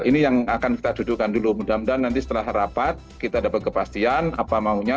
ini yang akan kita dudukan dulu mudah mudahan nanti setelah rapat kita dapat kepastian apa maunya